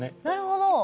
なるほど。